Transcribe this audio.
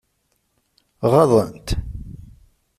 Ɣaḍen-t?